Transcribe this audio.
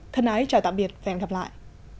thân ái chào tạm biệt và hẹn gặp lại